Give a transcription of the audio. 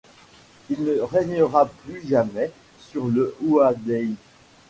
Il ne règnera plus jamais sur le Ouaddaï.